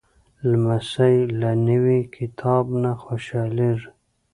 لمسی له نوي کتاب نه خوشحالېږي.